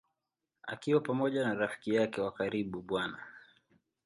Akiwa pamoja na rafiki yake wa karibu Bw.